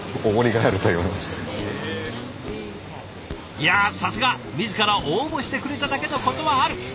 いやさすが自ら応募してくれただけのことはある。